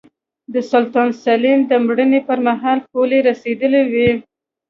د سلطان سلین د مړینې پرمهال پولې رسېدلې وې.